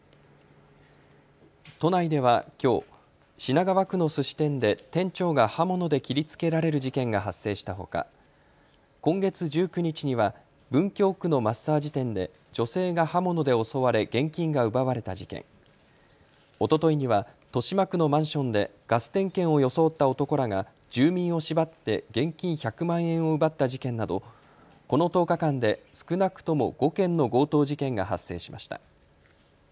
都内ではきょう品川区のすし店で店長が刃物で切りつけられる事件が発生したほか、今月１９日には文京区のマッサージ店で女性が刃物で襲われ現金が奪われた事件、おとといには豊島区のマンションでガス点検を装った男らが住民を縛って現金１００万円を奪った事件などこの１０日間で少なくとも５件の強盗事件が発生しました。